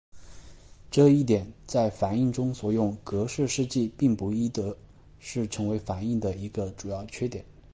这一点在反应中所用格氏试剂并不易得时成为反应的一个主要缺点。